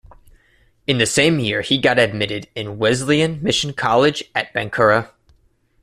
In the same year he got admitted in Welleslyan Mission College at Bankura.